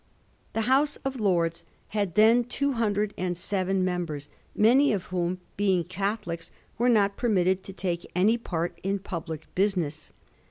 The House of Lords had then two hundred and seven members, many of whom, being Catholics, were not permitted to take any part in public business.